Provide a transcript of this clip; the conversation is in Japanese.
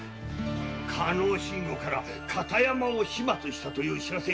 加納信吾から片山を始末したという報せ